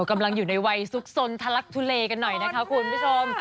กำลังอยู่ในวัยซุกสนทะลักทุเลกันหน่อยนะคะคุณผู้ชม